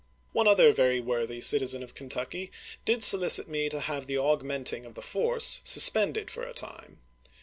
One other very worthy citizen of Kentucky did solicit me to have the augmenting of the force suspended for a time.